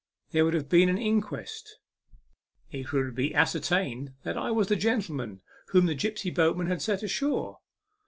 There would have been an inquest ; it would be ascertained that I was the gentleman whom the gipsy boatman had set ashore.